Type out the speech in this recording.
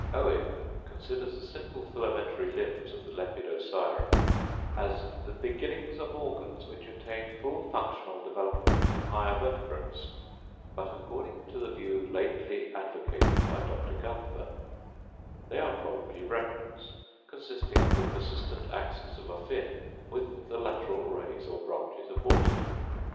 Owen considers the simple filamentary limbs of the Lepidosiren as the "beginnings of organs which attain full functional development in higher vertebrates;" but, according to the view lately advocated by Dr. Günther, they are probably remnants, consisting of the persistent axis of a fin, with the lateral rays or branches aborted.